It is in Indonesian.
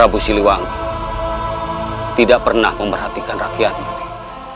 rabu siliwangi tidak pernah memerhatikan rakyat ini